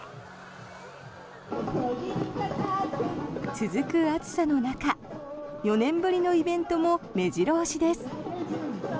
続く暑さの中４年ぶりのイベントも目白押しです。